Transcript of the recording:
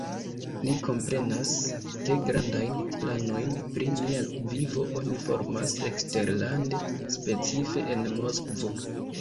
Ni komprenas ke grandajn planojn pri nia vivo oni formas eksterlande, specife en Moskvo.